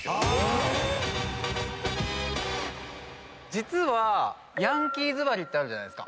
実はヤンキー座りってあるじゃないですか。